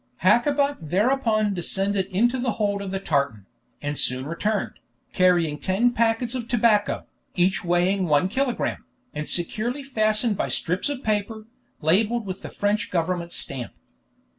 Hakkabut hereupon descended into the hold of the tartan, and soon returned, carrying ten packets of tobacco, each weighing one kilogramme, and securely fastened by strips of paper, labeled with the French government stamp.